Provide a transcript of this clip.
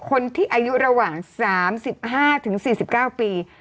คนที่อายุระหว่าง๓๕๔๙ปี